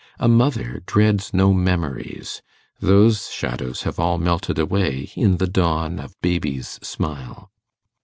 A mother dreads no memories those shadows have all melted away in the dawn of baby's smile.